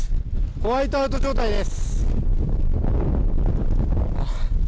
ホワイトアウト状態です。